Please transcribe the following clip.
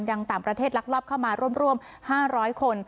ยังต่างประเทศลักลอบเข้ามาร่วม๕๐๐คน